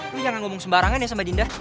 tuh jangan ngomong sembarangan ya sama dinda